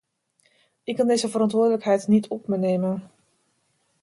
Ik kan deze verantwoordelijkheid niet op me nemen.